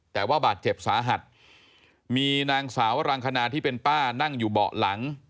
แต่ว่าบาดเจ็บสาหัสมีนางสาวรังคณาที่เป็นป้านั่งอยู่เบาะหลัง